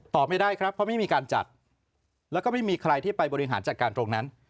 ไม่ได้ครับเพราะไม่มีการจัดแล้วก็ไม่มีใครที่ไปบริหารจัดการตรงนั้น